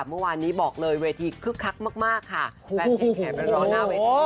เมื่อวานนี้บอกเลยเวทีคึกคักมากค่ะแฟนเพลงแขกร้อนหน้าเวที